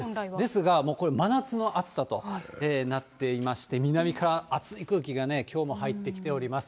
ですが、もうこれ、真夏の暑さとなっていまして、南から熱い空気がね、きょうも入ってきております。